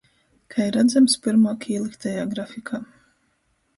Kai radzams pyrmuok īlyktajā grafikā.